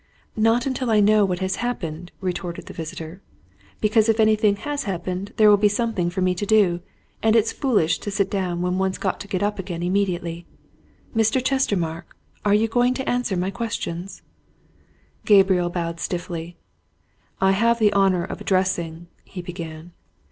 "Not until I know what has happened," retorted the visitor. "Because if anything has happened there will be something for me to do, and it's foolish to sit down when one's got to get up again immediately. Mr. Chestermarke, are you going to answer my questions?" Gabriel bowed stiffly. "I have the honour of addressing " he began.